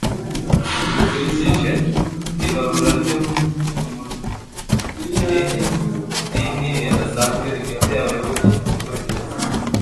Dukurikije Ibarura ryo mu Ni irihe dini ridasanzwe rifite abayoboke mu Bwongereza?